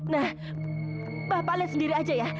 nah bapak lihat sendiri aja ya